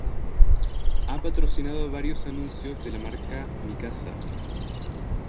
Ha patrocinado varios anuncios de la marca Mikasa.